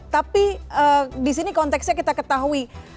tapi di sini konteksnya kita ketahui